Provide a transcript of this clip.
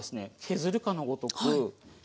削るかのごとく。